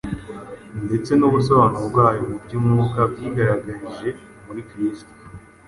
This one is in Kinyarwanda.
ndetse n’ubusobanuro bwayo mu by’umwuka bwigaragarije muri Kristo.